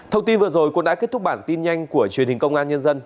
thông tin vừa rồi cũng đã kết thúc bản tin nhanh của truyền hình công an nhân dân